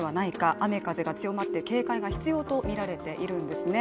雨・風が強まって警戒が必要とみられているんですね。